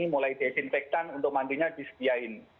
mulai disinfektan untuk mandinya disediakan